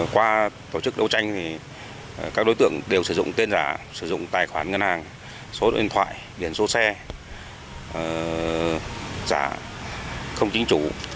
qua tổ chức đấu tranh thì các đối tượng đều sử dụng tên giả sử dụng tài khoản ngân hàng số điện thoại điện số xe giả không chính chủ